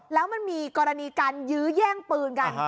แล้วมันมีกรณีการยื้อแย่งปืนกัน